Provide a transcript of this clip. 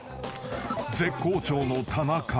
［絶好調の田中］